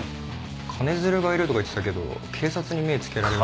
金づるがいるとか言ってたけど警察に目ぇつけられる。